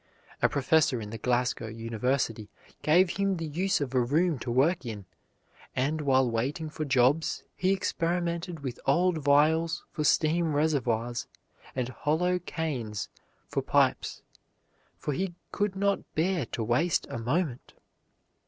A professor in the Glasgow University gave him the use of a room to work in, and while waiting for jobs he experimented with old vials for steam reservoirs and hollow canes for pipes, for he could not bear to waste a moment.